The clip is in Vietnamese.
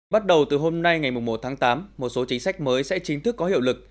bắt đầu từ hôm nay ngày một tháng tám một số chính sách mới sẽ chính thức có hiệu lực